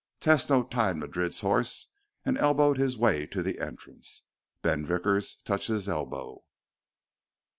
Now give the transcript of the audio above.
Tesno tied Madrid's horse and elbowed his way to the entrance. Ben Vickers touched his elbow.